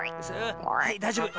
はいだいじょうぶ。